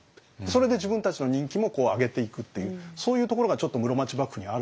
それで自分たちの人気も上げていくっていうそういうところがちょっと室町幕府にはあるんですよね。